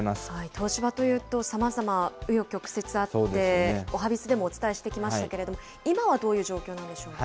東芝というと、さまざま、う余曲折あって、おはＢｉｚでもお伝えしてきましたけれども、今はどういう状況なんでしょうか。